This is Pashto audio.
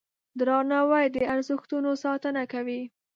درناوی د ارزښتونو ساتنه کوي.